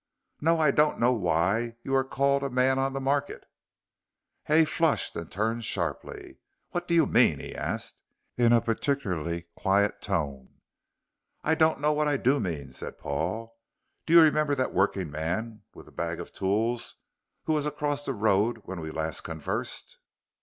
"No! I don't know why you are called a man on the market." Hay flushed and turned sharply. "What do you mean?" he asked in a particularly quiet tone. "I don't know what I do mean," said Paul. "Do you remember that working man with the bag of tools who was across the road when we last conversed?"